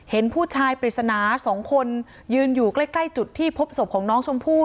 เห็นผู้ชายปริศนา๒คนยืนอยู่ใกล้จุดที่พบศพของน้องชมพู่